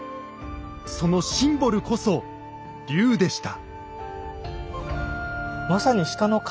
そのシンボルこそ龍でした。